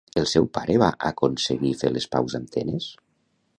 El seu pare va aconseguir fer les paus amb Tenes?